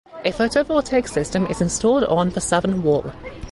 A photovoltaic system is installed on the southern wall.